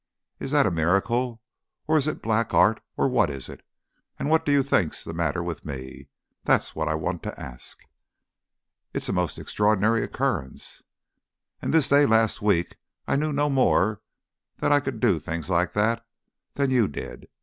Is that a miracle, or is it black art, or what is it? And what do you think's the matter with me? That's what I want to ask." "It's a most extraordinary occurrence." "And this day last week I knew no more that I could do things like that than you did.